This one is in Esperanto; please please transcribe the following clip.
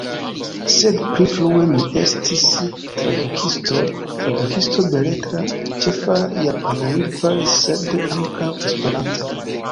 Sed pli frue mi estis tradukisto, tradukisto beletra, ĉefe japanlingva sed ankaŭ esperanta.